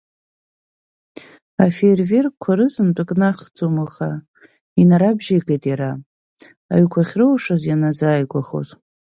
Афеиерверкқәа рызынтәык наҳхӡом уаха, инарабжьеигеит иара, аҩқәа ахьроушаз ианазааигәахоз.